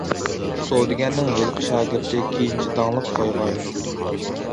سودىگەرنىڭ ھېلىقى شاگىرتى كېيىنچە داڭلىق بايغا ئايلىنىپتۇ.